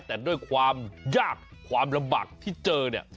แต่ด้วยความยากความลำบากที่เจอเนี่ย